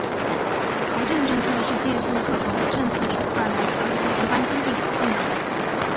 财政政策是借助各种政策手段来调节宏观经济活动的。